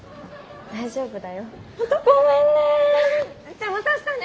じゃあまた明日ね。